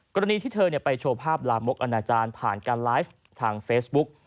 กรณีที่เธอไปโชว์ภาพลามกอนาจารย์ผ่านการไลฟ์ทางเฟซบุ๊ก